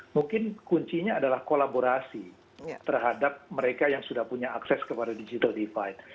mungkin kuncinya adalah kolaborasi terhadap mereka yang sudah punya akses kepada digital divide